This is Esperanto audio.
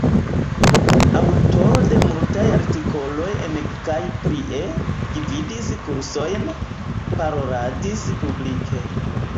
Aŭtoro de multaj artikoloj en kaj pri E, gvidis kursojn, paroladis publike.